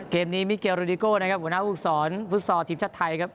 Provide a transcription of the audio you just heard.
เกมนี้มิเกลโรดิโก้นะครับหัวหน้าภูมิสอนฟุตซอลทีมชาติไทยครับ